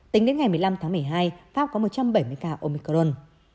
tính đến ngày một mươi năm tháng một mươi hai pháp có một trăm bảy mươi ca omicron